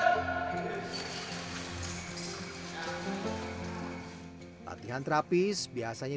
latihan terapis biasanya ditunjukkan untuk pemain senior